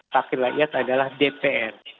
wakil rakyat adalah dpr